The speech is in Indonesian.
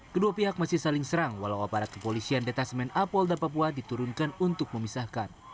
kedua pihak masih saling serang walau aparat kepolisian detasmen apolda papua diturunkan untuk memisahkan